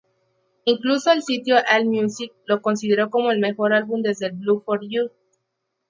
Incluso el sitio "Allmusic" lo consideró como el mejor álbum desde "Blue for You".